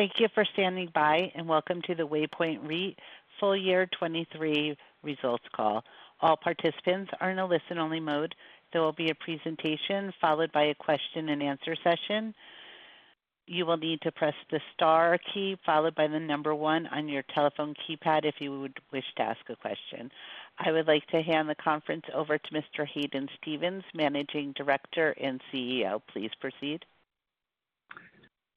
Thank you for standing by and welcome to the Waypoint REIT full year 2023 results call. All participants are in a listen-only mode. There will be a presentation followed by a question-and-answer session. You will need to press the star key followed by the number 1 on your telephone keypad if you would wish to ask a question. I would like to hand the conference over to Mr. Hadyn Stephens, Managing Director and CEO. Please proceed.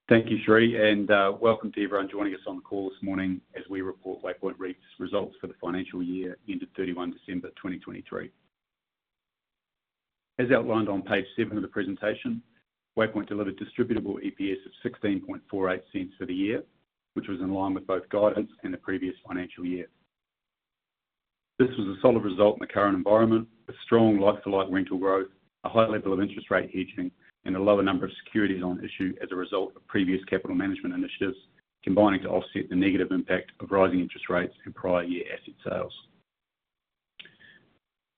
Thank you, Sheree, and welcome to everyone joining us on the call this morning as we report Waypoint REIT's results for the financial year ended 31 December 2023. As outlined on page 7 of the presentation, Waypoint delivered distributable EPS of 0.1648 for the year, which was in line with both guidance and the previous financial year. This was a solid result in the current environment with strong like-for-like rental growth, a high level of interest rate hedging, and a lower number of securities on issue as a result of previous capital management initiatives combining to offset the negative impact of rising interest rates and prior year asset sales.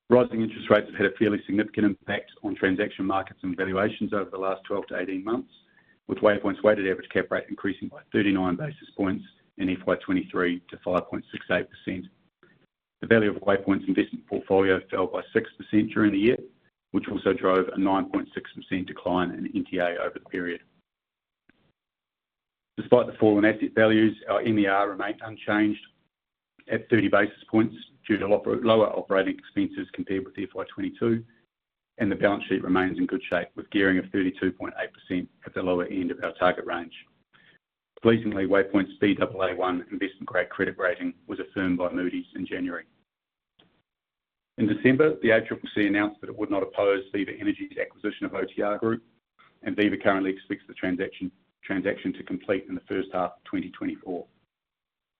Rising interest rates have had a fairly significant impact on transaction markets and valuations over the last 12-18 months, with Waypoint's weighted average cap rate increasing by 39 basis points in FY 2023 to 5.68%. The value of Waypoint's investment portfolio fell by 6% during the year, which also drove a 9.6% decline in NTA over the period. Despite the fall in asset values, our MER remained unchanged at 30 basis points due to lower operating expenses compared with FY 2022, and the balance sheet remains in good shape with gearing of 32.8% at the lower end of our target range. Pleasingly, Waypoint's Baa1 investment-grade credit rating was affirmed by Moody's in January. In December, the ACCC announced that it would not oppose Viva Energy's acquisition of OTR Group, and Viva currently expects the transaction to complete in the first half of 2024.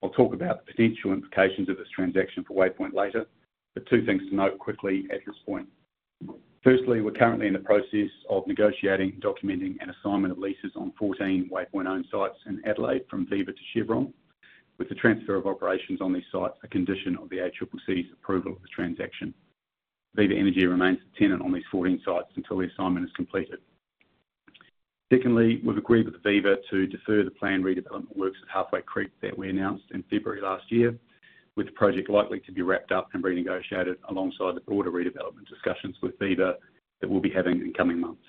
I'll talk about the potential implications of this transaction for Waypoint later, but two things to note quickly at this point. Firstly, we're currently in the process of negotiating, documenting, and assignment of leases on 14 Waypoint-owned sites in Adelaide from Viva to Chevron, with the transfer of operations on these sites a condition of the ACCC's approval of the transaction. Viva Energy remains the tenant on these 14 sites until the assignment is completed. Secondly, we've agreed with Viva to defer the planned redevelopment works at Halfway Creek that we announced in February last year, with the project likely to be wrapped up and renegotiated alongside the broader redevelopment discussions with Viva that we'll be having in coming months.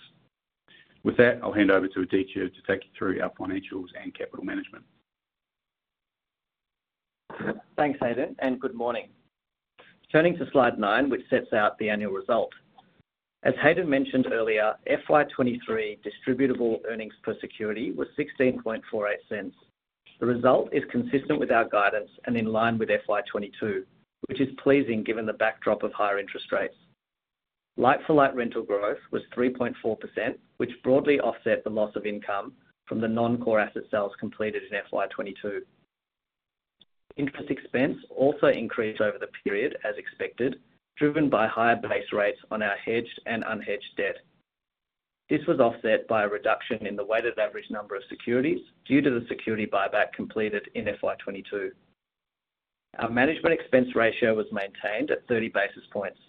With that, I'll hand over to Aditya to take you through our financials and capital management. Thanks, Hayden, and good morning. Turning to slide 9, which sets out the annual result. As Hayden mentioned earlier, FY 2023 distributable earnings per security was 0.1648. The result is consistent with our guidance and in line with FY 2022, which is pleasing given the backdrop of higher interest rates. Like-for-like rental growth was 3.4%, which broadly offset the loss of income from the non-core asset sales completed in FY 2022. Interest expense also increased over the period as expected, driven by higher base rates on our hedged and unhedged debt. This was offset by a reduction in the weighted average number of securities due to the security buyback completed in FY 2022. Our management expense ratio was maintained at 30 basis points.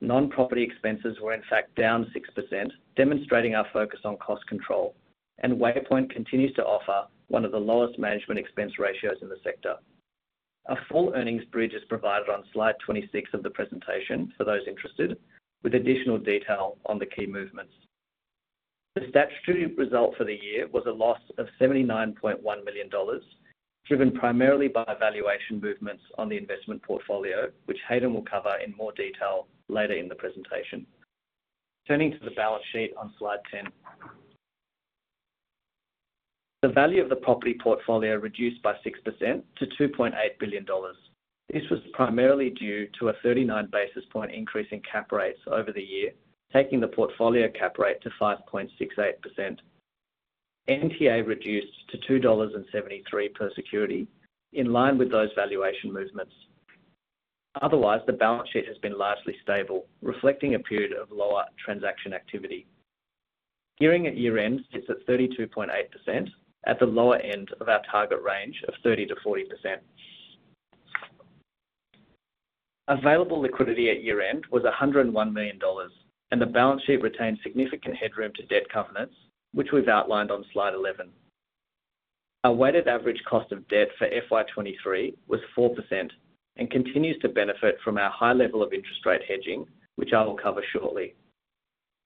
Non-property expenses were, in fact, down 6%, demonstrating our focus on cost control, and Waypoint continues to offer one of the lowest management expense ratios in the sector. A full earnings bridge is provided on slide 26 of the presentation for those interested, with additional detail on the key movements. The statutory result for the year was a loss of 79.1 million dollars, driven primarily by valuation movements on the investment portfolio, which Hayden will cover in more detail later in the presentation. Turning to the balance sheet on slide 10. The value of the property portfolio reduced by 6% to 2.8 billion dollars. This was primarily due to a 39 basis point increase in cap rates over the year, taking the portfolio cap rate to 5.68%. NTA reduced to 2.73 dollars per security, in line with those valuation movements. Otherwise, the balance sheet has been largely stable, reflecting a period of lower transaction activity. Gearing at year-end sits at 32.8%, at the lower end of our target range of 30%-40%. Available liquidity at year-end was 101 million dollars, and the balance sheet retained significant headroom to debt covenants, which we've outlined on slide 11. Our weighted average cost of debt for FY 2023 was 4% and continues to benefit from our high level of interest rate hedging, which I will cover shortly.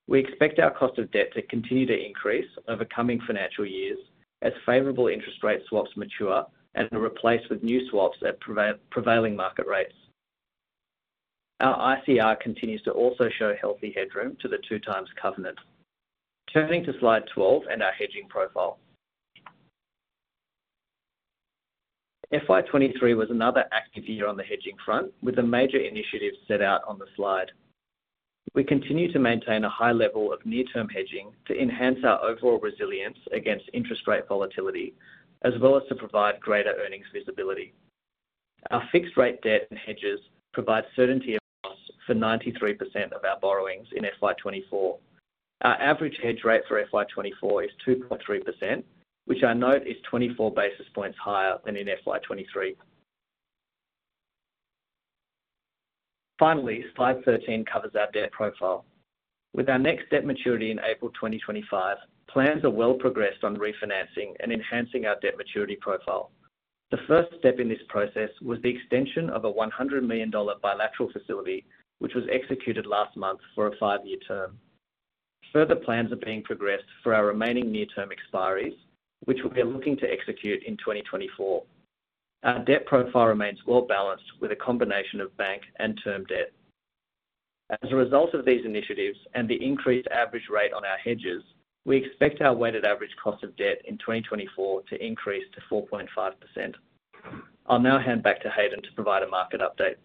We expect our cost of debt to continue to increase over coming financial years as favorable interest rate swaps mature and are replaced with new swaps at prevailing market rates. Our ICR continues to also show healthy headroom to the 2x covenant. Turning to slide 12 and our hedging profile. FY 2023 was another active year on the hedging front, with a major initiative set out on the slide. We continue to maintain a high level of near-term hedging to enhance our overall resilience against interest rate volatility, as well as to provide greater earnings visibility. Our fixed-rate debt and hedges provide certainty of loss for 93% of our borrowings in FY 2024. Our average hedge rate for FY 2024 is 2.3%, which I note is 24 basis points higher than in FY 2023. Finally, slide 13 covers our debt profile. With our next debt maturity in April 2025, plans are well progressed on refinancing and enhancing our debt maturity profile. The first step in this process was the extension of a 100 million dollar bilateral facility, which was executed last month for a 5-year term. Further plans are being progressed for our remaining near-term expiries, which we are looking to execute in 2024. Our debt profile remains well balanced with a combination of bank and term debt. As a result of these initiatives and the increased average rate on our hedges, we expect our weighted average cost of debt in 2024 to increase to 4.5%. I'll now hand back to Hayden to provide a market update.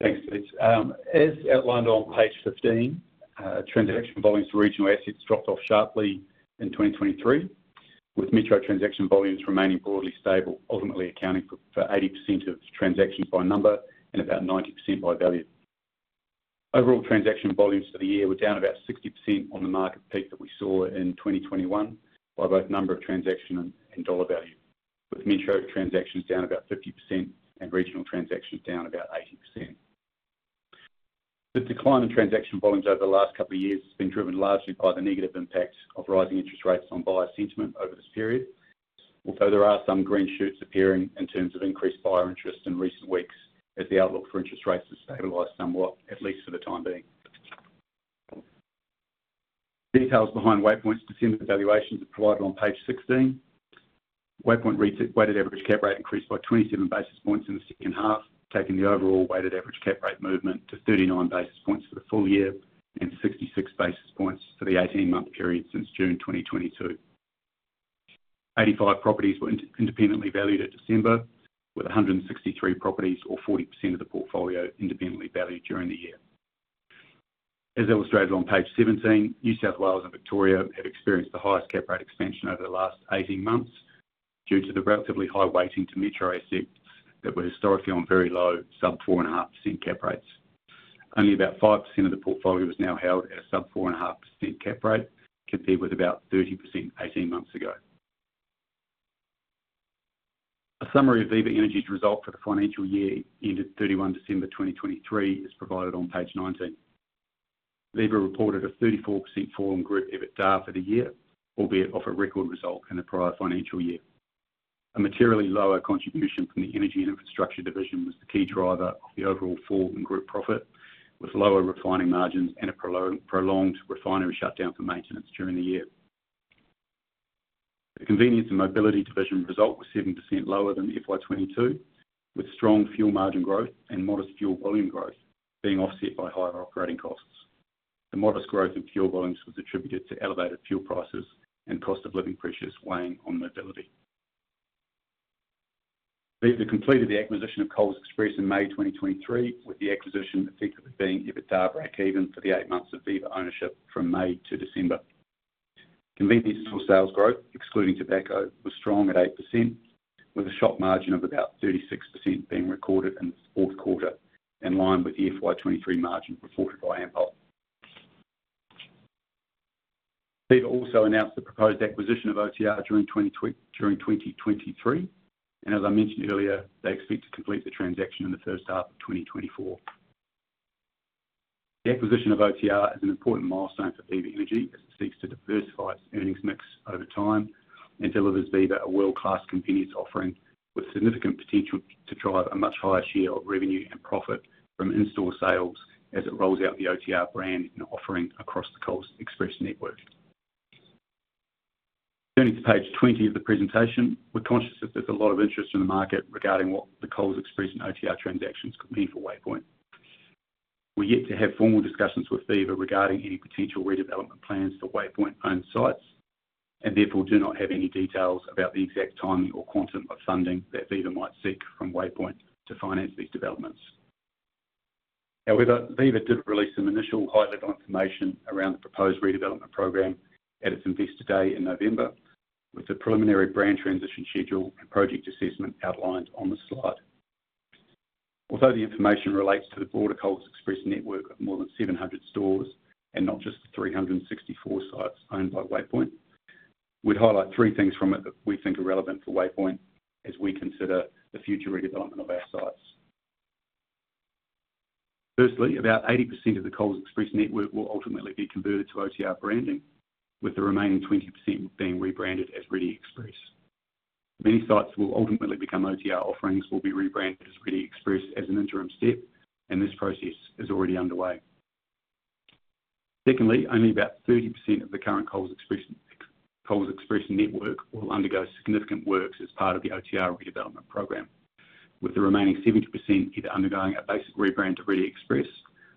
Thanks, Adit. As outlined on page 15, transaction volumes for regional assets dropped off sharply in 2023, with metro transaction volumes remaining broadly stable, ultimately accounting for 80% of transactions by number and about 90% by value. Overall transaction volumes for the year were down about 60% on the market peak that we saw in 2021 by both number of transaction and dollar value, with metro transactions down about 50% and regional transactions down about 80%. The decline in transaction volumes over the last couple of years has been driven largely by the negative impact of rising interest rates on buyer sentiment over this period, although there are some green shoots appearing in terms of increased buyer interest in recent weeks as the outlook for interest rates has stabilised somewhat, at least for the time being. Details behind Waypoint's December valuations are provided on page 16. Waypoint REIT weighted average cap rate increased by 27 basis points in the second half, taking the overall weighted average cap rate movement to 39 basis points for the full year and 66 basis points for the 18-month period since June 2022. 85 properties were independently valued at December, with 163 properties, or 40% of the portfolio, independently valued during the year. As illustrated on page 17, New South Wales and Victoria have experienced the highest cap rate expansion over the last 18 months due to the relatively high weighting to metro assets that were historically on very low sub-4.5% cap rates. Only about 5% of the portfolio is now held at a sub-4.5% cap rate, compared with about 30% 18 months ago. A summary of Viva Energy's result for the financial year ended 31 December 2023 is provided on page 19. Viva reported a 34% fall in group EBITDA for the year, albeit off a record result in the prior financial year. A materially lower contribution from the energy and infrastructure division was the key driver of the overall fall in group profit, with lower refining margins and a prolonged refinery shutdown for maintenance during the year. The convenience and mobility division result was 7% lower than FY 2022, with strong fuel margin growth and modest fuel volume growth being offset by higher operating costs. The modest growth in fuel volumes was attributed to elevated fuel prices and cost of living pressures weighing on mobility. Viva completed the acquisition of Coles Express in May 2023, with the acquisition effective at being EBITDA break-even for the eight months of Viva ownership from May to December. Convenience store sales growth, excluding tobacco, was strong at 8%, with a shop margin of about 36% being recorded in the fourth quarter, in line with the FY 2023 margin reported by Ampol. Viva also announced the proposed acquisition of OTR during 2023, and as I mentioned earlier, they expect to complete the transaction in the first half of 2024. The acquisition of OTR is an important milestone for Viva Energy as it seeks to diversify its earnings mix over time and delivers Viva a world-class convenience offering with significant potential to drive a much higher share of revenue and profit from in-store sales as it rolls out the OTR brand and offering across the Coles Express network. Turning to page 20 of the presentation, we're conscious that there's a lot of interest in the market regarding what the Coles Express and OTR transactions could mean for Waypoint. We've yet to have formal discussions with Viva regarding any potential redevelopment plans for Waypoint-owned sites and therefore do not have any details about the exact timing or quantum of funding that Viva might seek from Waypoint to finance these developments. However, Viva did release some initial high-level information around the proposed redevelopment program at its investor day in November, with a preliminary brand transition schedule and project assessment outlined on the slide. Although the information relates to the broader Coles Express network of more than 700 stores and not just the 364 sites owned by Waypoint, we'd highlight three things from it that we think are relevant for Waypoint as we consider the future redevelopment of our sites. Firstly, about 80% of the Coles Express network will ultimately be converted to OTR branding, with the remaining 20% being rebranded as Reddy Express. Many sites will ultimately become OTR offerings will be rebranded as Reddy Express as an interim step, and this process is already underway. Secondly, only about 30% of the current Coles Express network will undergo significant works as part of the OTR redevelopment program, with the remaining 70% either undergoing a basic rebrand to Reddy Express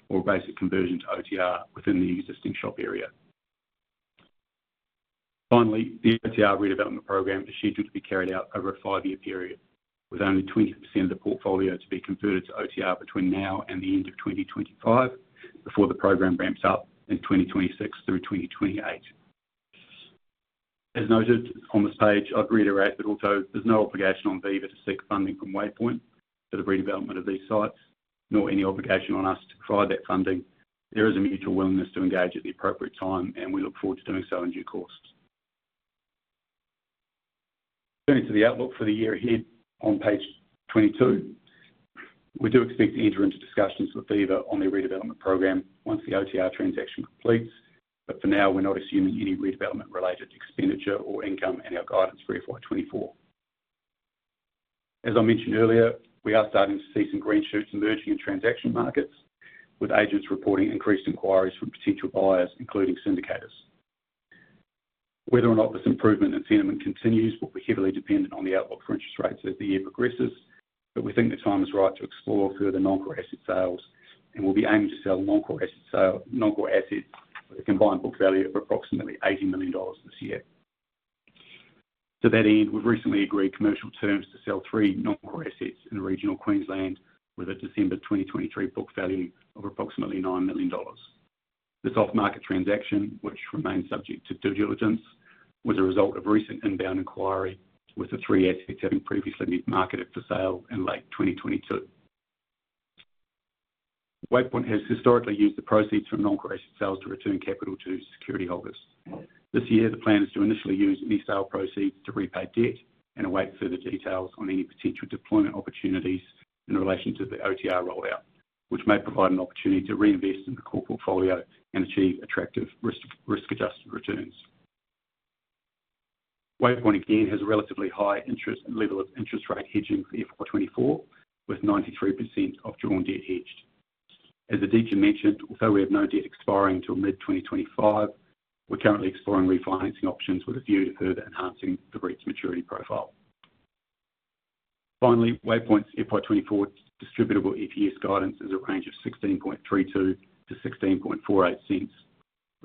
or a basic conversion to OTR within the existing shop area. Finally, the OTR redevelopment program is scheduled to be carried out over a five-year period, with only 20% of the portfolio to be converted to OTR between now and the end of 2025 before the program ramps up in 2026 through 2028. As noted on this page, I'd reiterate that although there's no obligation on Viva to seek funding from Waypoint for the redevelopment of these sites nor any obligation on us to provide that funding, there is a mutual willingness to engage at the appropriate time, and we look forward to doing so in due course. Turning to the outlook for the year ahead on page 22, we do expect to enter into discussions with Viva on their redevelopment program once the OTR transaction completes, but for now, we're not assuming any redevelopment-related expenditure or income in our guidance for FY 2024. As I mentioned earlier, we are starting to see some green shoots emerging in transaction markets, with agents reporting increased inquiries from potential buyers, including syndicators. Whether or not this improvement in sentiment continues will be heavily dependent on the outlook for interest rates as the year progresses, but we think the time is right to explore further non-core asset sales and will be aiming to sell non-core assets with a combined book value of approximately 80 million dollars this year. To that end, we've recently agreed commercial terms to sell three non-core assets in regional Queensland with a December 2023 book value of approximately 9 million dollars. The top market transaction, which remains subject to due diligence, was a result of recent inbound enquiry, with the three assets having previously been marketed for sale in late 2022. Waypoint has historically used the proceeds from non-core asset sales to return capital to security holders. This year, the plan is to initially use any sale proceeds to repay debt and await further details on any potential deployment opportunities in relation to the OTR rollout, which may provide an opportunity to reinvest in the core portfolio and achieve attractive risk-adjusted returns. Waypoint, again, has a relatively high level of interest rate hedging for FY 2024, with 93% of drawn debt hedged. As the CEO mentioned, although we have no debt expiring till mid-2025, we're currently exploring refinancing options with a view to further enhancing the REIT's maturity profile. Finally, Waypoint's FY 2024 distributable EPS guidance is a range of 0.1632-0.1648,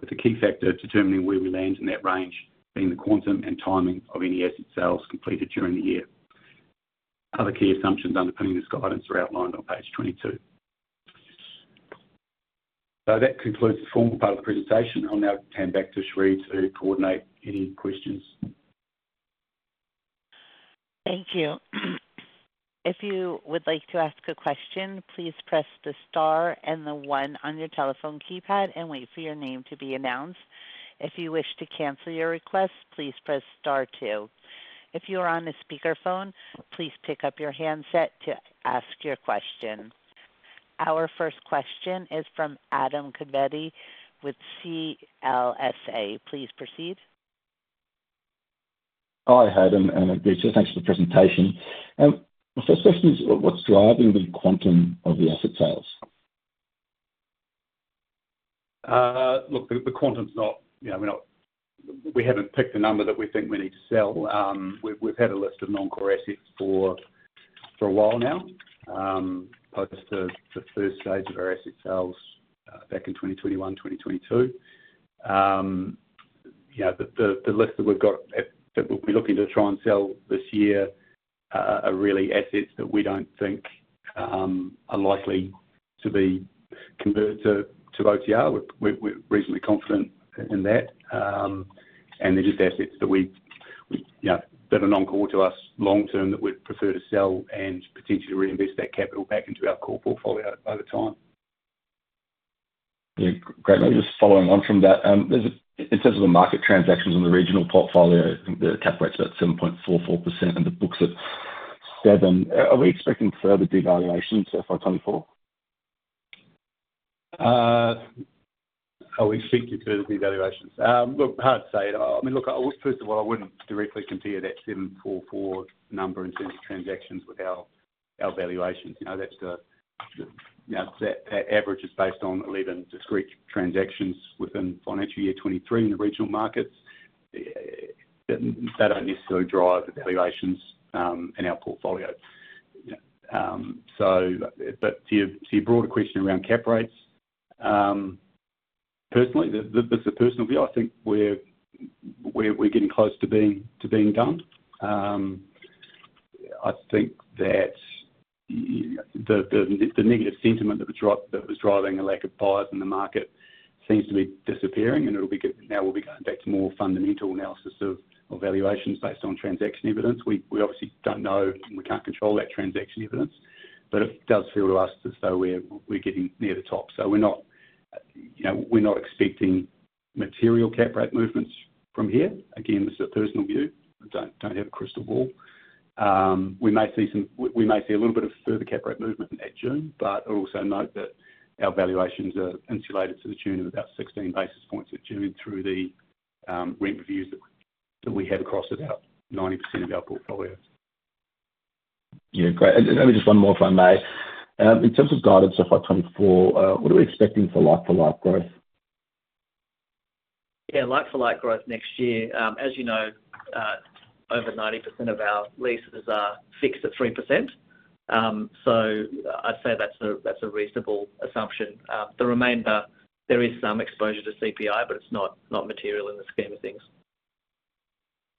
with the key factor determining where we land in that range being the quantum and timing of any asset sales completed during the year. Other key assumptions underpinning this guidance are outlined on page 22. That concludes the formal part of the presentation. I'll now hand back to Sheree to coordinate any questions. Thank you. If you would like to ask a question, please press the star and the one on your telephone keypad and wait for your name to be announced. If you wish to cancel your request, please press star two. If you are on a speakerphone, please pick up your handset to ask your question. Our first question is from Adam Conidi with CLSA. Please proceed. Hi, Adam. Thank you for the presentation. My first question is, what's driving the quantum of the asset sales? Look, the quantum's not—we haven't picked a number that we think we need to sell. We've had a list of non-core assets for a while now, post the first stage of our asset sales back in 2021, 2022. The list that we've got that we'll be looking to try and sell this year are really assets that we don't think are likely to be converted to OTR. We're reasonably confident in that. And they're just assets that are non-core to us long-term that we'd prefer to sell and potentially reinvest that capital back into our core portfolio over time. Great. Maybe just following on from that, in terms of the market transactions in the regional portfolio, I think the cap rate's about 7.44% and the books at 7%. Are we expecting further devaluations for FY 2024? Are we expecting further devaluations? Look, hard to say. I mean, look, first of all, I wouldn't directly compare that 7.44 number in terms of transactions with our valuations. That average is based on 11 discrete transactions within financial year 2023 in the regional markets. They don't necessarily drive the valuations in our portfolio. But to your broader question around cap rates, personally, this is a personal view. I think we're getting close to being done. I think that the negative sentiment that was driving a lack of buyers in the market seems to be disappearing, and now we'll be going back to more fundamental analysis of valuations based on transaction evidence. We obviously don't know and we can't control that transaction evidence, but it does feel to us as though we're getting near the top. So we're not expecting material cap rate movements from here. Again, this is a personal view. I don't have a crystal ball. We may see a little bit of further cap rate movement at June, but I'd also note that our valuations are insulated to the tune of about 16 basis points at June through the rent reviews that we have across about 90% of our portfolio. Great. And maybe just one more, if I may. In terms of guidance for FY 2024, what are we expecting for like-for-like growth? Yeah. Like-for-like growth next year, as you know, over 90% of our leases are fixed at 3%. So I'd say that's a reasonable assumption. The remainder, there is some exposure to CPI, but it's not material in the scheme of things.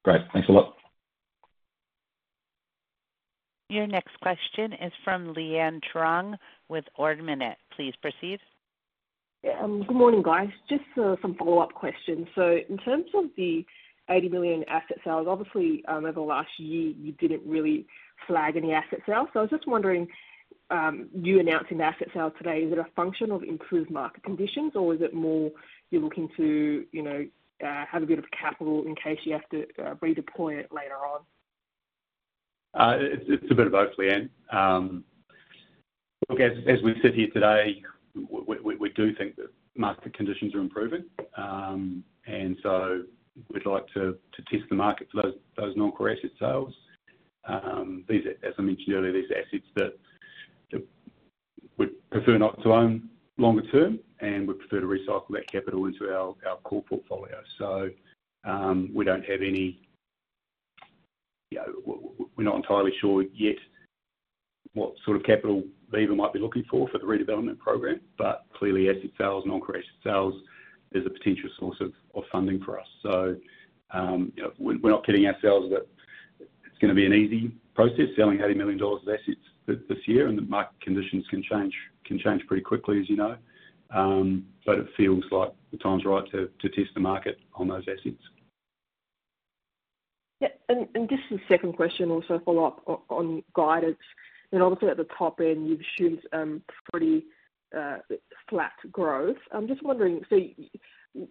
Great. Thanks a lot. Your next question is from Leanne Truong with Ord Minnett. Please proceed. Yeah. Good morning, guys. Just some follow-up questions. So in terms of the 80 million asset sales, obviously, over the last year, you didn't really flag any asset sales. So I was just wondering, you announcing the asset sale today, is it a function of improved market conditions, or is it more you're looking to have a bit of capital in case you have to redeploy it later on? It's a bit of both, Leanne. Look, as we sit here today, we do think that market conditions are improving, and so we'd like to test the market for those non-core asset sales. As I mentioned earlier, these are assets that we'd prefer not to own longer-term, and we'd prefer to recycle that capital into our core portfolio. So we don't have any we're not entirely sure yet what sort of capital Viva might be looking for for the redevelopment program, but clearly, asset sales, non-core asset sales, is a potential source of funding for us. So we're not kidding ourselves that it's going to be an easy process selling 80 million dollars of assets this year, and the market conditions can change pretty quickly, as you know. But it feels like the time's right to test the market on those assets. Yeah. And just the second question also, follow-up on guidance. And obviously, at the top end, you've assumed pretty flat growth. I'm just wondering, so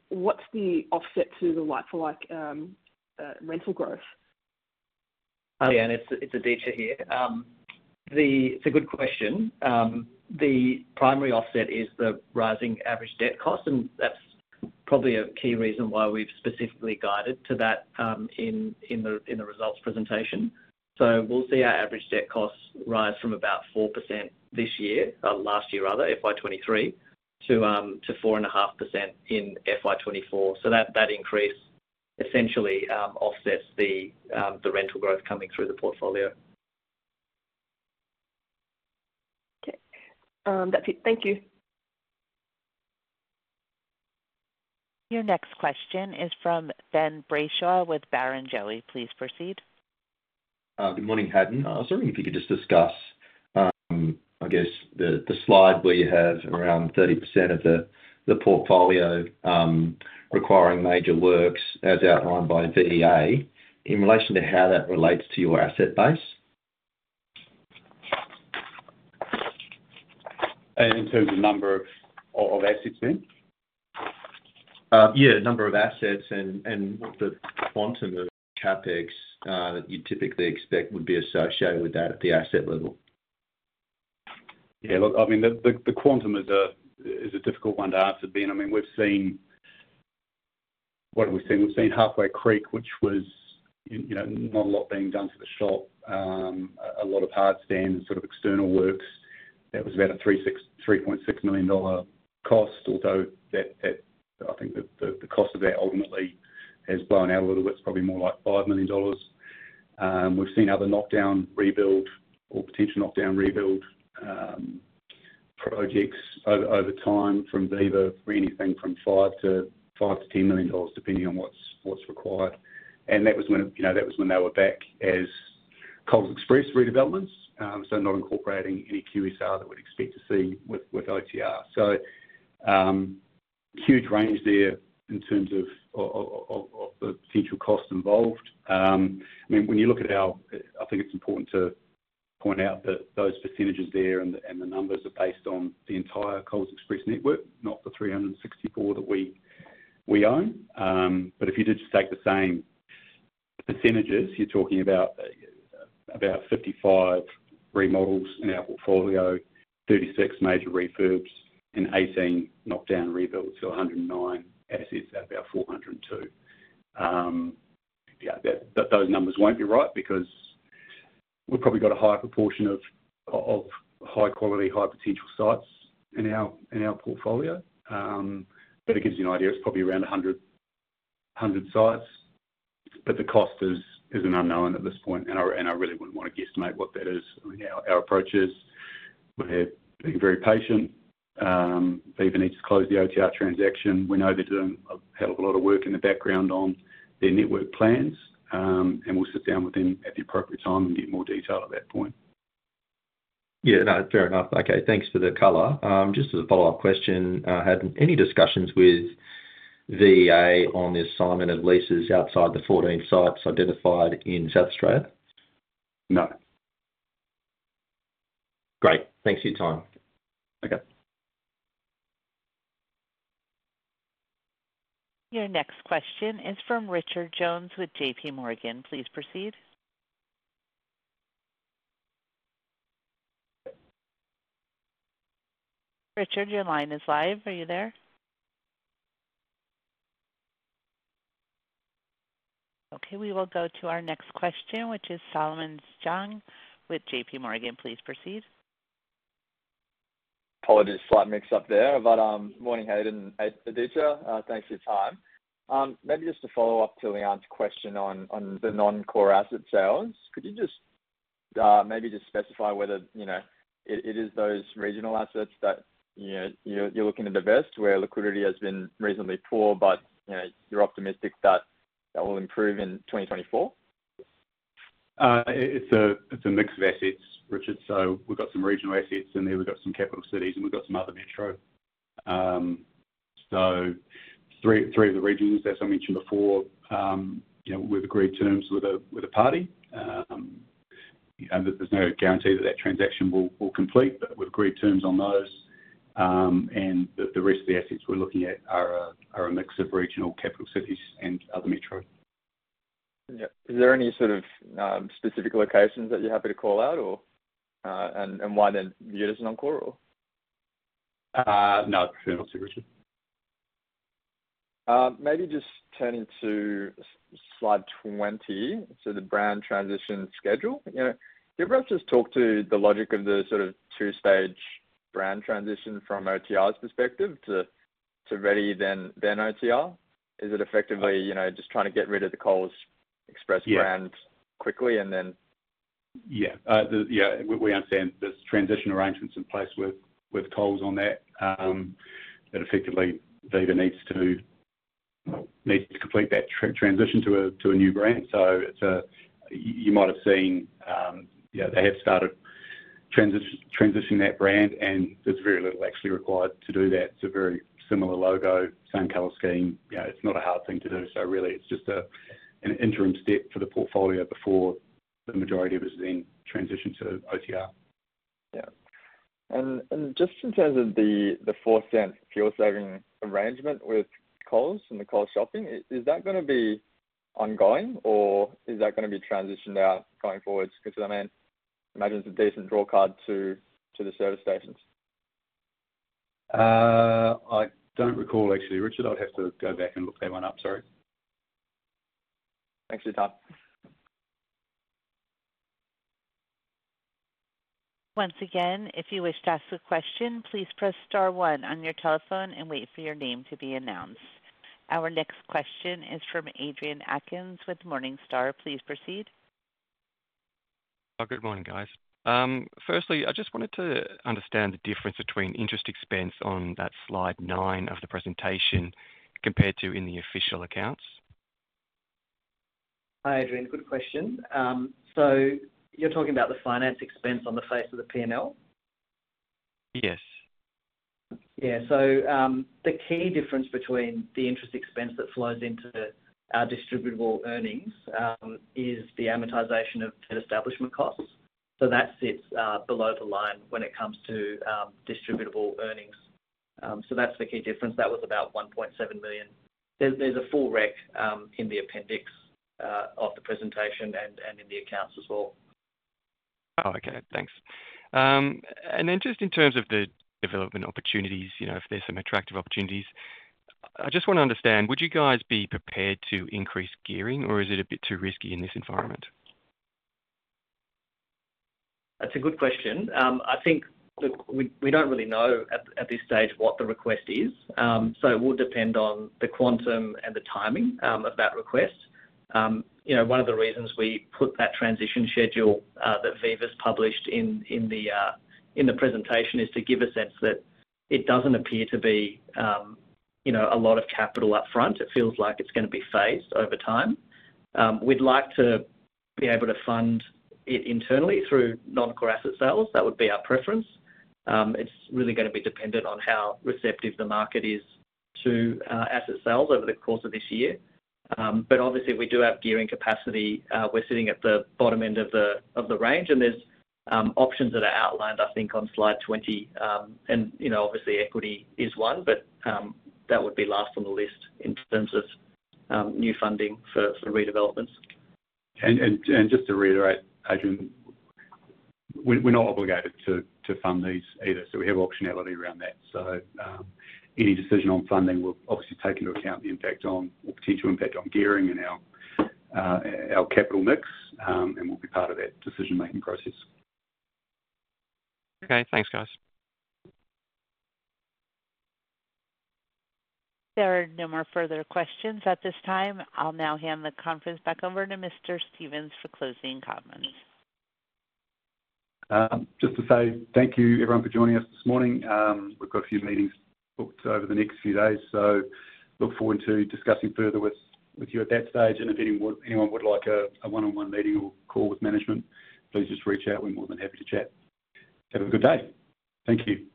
what's the offset to the like-for-like rental growth? Leanne, it's Hayden here. It's a good question. The primary offset is the rising average debt cost, and that's probably a key reason why we've specifically guided to that in the results presentation. So we'll see our average debt costs rise from about 4% this year last year, rather, FY 2023, to 4.5% in FY 2024. So that increase essentially offsets the rental growth coming through the portfolio. Okay. That's it. Thank you. Your next question is from Ben Brayshaw with Barrenjoey. Please proceed. Good morning, Hayden. I was wondering if you could just discuss, I guess, the slide where you have around 30% of the portfolio requiring major works as outlined by VEA in relation to how that relates to your asset base? In terms of number of assets, then? Yeah. Number of assets and the quantum of CapEx that you typically expect would be associated with that at the asset level. Yeah. Look, I mean, the quantum is a difficult one to answer, Ben. I mean, we've seen what have we seen? We've seen Halfway Creek, which was not a lot being done for the shop, a lot of hardstand and sort of external works. That was about a 3.6 million dollar cost, although I think the cost of that ultimately has blown out a little bit. It's probably more like 5 million dollars. We've seen other knockdown rebuild or potential knockdown rebuild projects over time from Viva for anything from 5 million to 10 million dollars, depending on what's required. And that was when that was when they were back as Coles Express redevelopments, so not incorporating any QSR that we'd expect to see with OTR. So huge range there in terms of the potential cost involved. I mean, when you look at our, I think it's important to point out that those percentages there and the numbers are based on the entire Coles Express network, not the 364 that we own. But if you did just take the same percentages, you're talking about about 55 remodels in our portfolio, 36 major refurbs, and 18 knockdown rebuilds, so 109 assets out of about 402. Those numbers won't be right because we've probably got a high proportion of high-quality, high-potential sites in our portfolio. But it gives you an idea. It's probably around 100 sites, but the cost is an unknown at this point, and I really wouldn't want to guesstimate what that is. I mean, our approach is we're being very patient. Viva needs to close the OTR transaction. We know they're doing a hell of a lot of work in the background on their network plans, and we'll sit down with them at the appropriate time and get more detail at that point. Yeah. No, fair enough. Okay. Thanks for the color. Just as a follow-up question, Hayden, any discussions with VEA on the assignment of leases outside the 14 sites identified in South Australia? No. Great. Thanks for your time. Okay. Your next question is from Richard Jones with J.P. Morgan. Please proceed. Richard, your line is live. Are you there? Okay. We will go to our next question, which is Solomon Zang with J.P. Morgan. Please proceed. Apologies. Slight mix-up there. Morning, Hayden, and Aditya. Thanks for your time. Maybe just a follow-up to Leanne's question on the non-core asset sales, could you just maybe just specify whether it is those regional assets that you're looking at the best where liquidity has been reasonably poor, but you're optimistic that will improve in 2024? It's a mix of assets, Richard. So we've got some regional assets, and then we've got some capital cities, and we've got some other metro. So three of the regions, as I mentioned before, we've agreed terms with a party. There's no guarantee that that transaction will complete, but we've agreed terms on those. And the rest of the assets we're looking at are a mix of regional capital cities and other metro. Yeah. Is there any sort of specific locations that you're happy to call out, or? And why then view it as non-core or? No, I'd prefer not to, Richard. Maybe just turning to slide 20, so the brand transition schedule. Do you ever have to just talk to the logic of the sort of two-stage brand transition from OTR's perspective to Reddy then OTR? Is it effectively just trying to get rid of the Coles Express brand quickly and then? Yeah. Yeah. We understand there's transition arrangements in place with Coles on that. Effectively, Viva needs to complete that transition to a new brand. So you might have seen they have started transitioning that brand, and there's very little actually required to do that. It's a very similar logo, same color scheme. It's not a hard thing to do. So really, it's just an interim step for the portfolio before the majority of it's then transitioned to OTR. Yeah. And just in terms of the 0.04 fuel-saving arrangement with Coles and the Coles shopping, is that going to be ongoing, or is that going to be transitioned out going forwards? Because I mean, imagine it's a decent draw card to the service stations. I don't recall, actually. Richard, I'd have to go back and look that one up. Sorry. Thanks for your time. Once again, if you wish to ask a question, please press star 1 on your telephone and wait for your name to be announced. Our next question is from Adrian Atkins with Morningstar. Please proceed. Good morning, guys. Firstly, I just wanted to understand the difference between interest expense on that slide 9 of the presentation compared to in the official accounts. Hi, Adrian. Good question. So you're talking about the finance expense on the face of the P&L? Yes. Yeah. So the key difference between the interest expense that flows into our Distributable Earnings is the amortization of debt establishment costs. So that's the key difference. That was about 1.7 million. There's a full rec in the appendix of the presentation and in the accounts as well. Oh, okay. Thanks. Then just in terms of the development opportunities, if there's some attractive opportunities, I just want to understand, would you guys be prepared to increase gearing, or is it a bit too risky in this environment? That's a good question. I think we don't really know at this stage what the request is. So it will depend on the quantum and the timing of that request. One of the reasons we put that transition schedule that Viva's published in the presentation is to give a sense that it doesn't appear to be a lot of capital upfront. It feels like it's going to be phased over time. We'd like to be able to fund it internally through non-core asset sales. That would be our preference. It's really going to be dependent on how receptive the market is to asset sales over the course of this year. But obviously, we do have gearing capacity. We're sitting at the bottom end of the range, and there's options that are outlined, I think, on slide 20. Obviously, equity is one, but that would be last on the list in terms of new funding for redevelopments. And just to reiterate, Adrian, we're not obligated to fund these either, so we have optionality around that. So any decision on funding will obviously take into account the impact on or potential impact on gearing and our capital mix, and we'll be part of that decision-making process. Okay. Thanks, guys. There are no more further questions at this time. I'll now hand the conference back over to Mr. Stephens for closing comments. Just to say thank you, everyone, for joining us this morning. We've got a few meetings booked over the next few days, so look forward to discussing further with you at that stage. If anyone would like a one-on-one meeting or call with management, please just reach out. We're more than happy to chat. Have a good day. Thank you.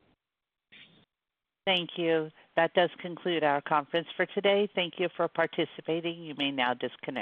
Thank you. That does conclude our conference for today. Thank you for participating. You may now disconnect.